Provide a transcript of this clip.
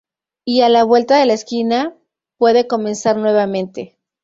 Y, a la vuelta de la esquina, puede comenzar nuevamente.